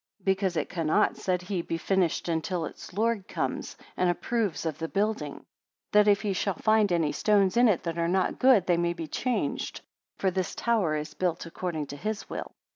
Because it cannot, said he, be finished until its Lord comes, and approves of the building; that if he shall find any stones in it that are not good they may be changed; for this tower is built according to his will.